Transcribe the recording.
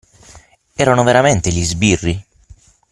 Erano veramente gli sbirri?